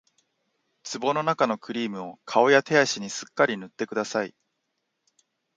壺のなかのクリームを顔や手足にすっかり塗ってください